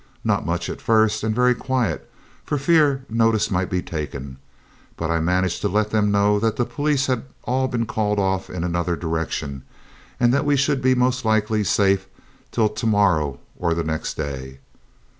Not much at first, and very quiet, for fear notice might be taken, but I managed to let them know that the police had all been called off in another direction, and that we should be most likely safe till to morrow or next day.